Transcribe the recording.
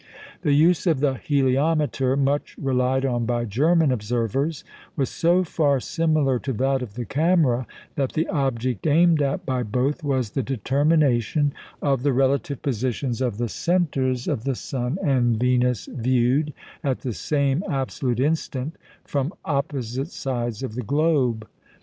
The use of the heliometer (much relied on by German observers) was so far similar to that of the camera that the object aimed at by both was the determination of the relative positions of the centres of the sun and Venus viewed, at the same absolute instant, from opposite sides of the globe.